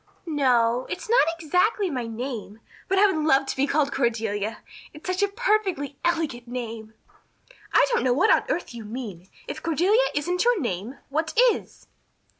"No o o, it's not exactly my name, but I would love to be called Cordelia. It's such a perfectly elegant name." "I don't know what on earth you mean. If Cordelia isn't your name, what is?"